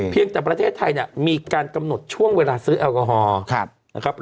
เพียงแต่ประเทศไทยก็มีการกำหนดช่วงเวลา